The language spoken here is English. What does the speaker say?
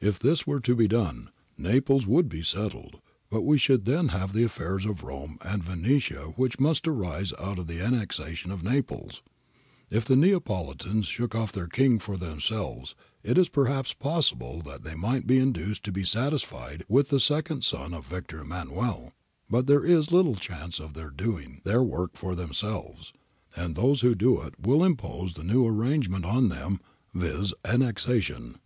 If this were to be done, Naples would be settled, but we should then have the affairs of Rome and Venetia which must arise out of the annexation of Naples. If the Neapolitans shook off their King for themselves it is per haps possible that they might be induced to be satisfied with the second son of Victor Emmanuel ; but there is little chance 312 APPENDIX A of their doing their work for themselves, and those who do it will impose the new arrangement on them/ viz. annexation.